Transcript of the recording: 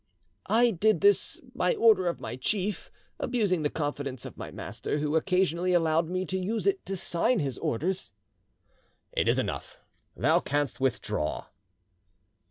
"—"I did this by order of my chief, abusing the confidence of my master, who occasionally allowed me to use it to sign his orders."—"It is enough: thou canst withdraw."